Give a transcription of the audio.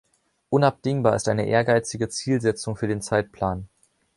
Unabdingbar ist eine ehrgeizige Zielsetzung für den Zeitplan.